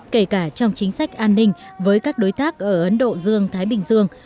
kể cả trong chính sách an ninh với các đối tác ở ấn độ dương thái bình dương